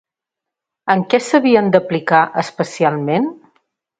En què s'havien d'aplicar especialment?